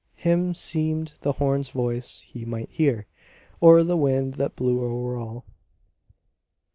Him seemed the horn's voice he might hear Or the wind that blew o'er all.